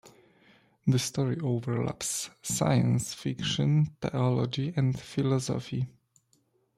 The story overlaps science fiction, theology, and philosophy.